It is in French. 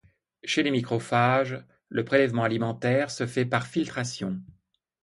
Chez les microphages, le prélèvement alimentaire se fait par filtration.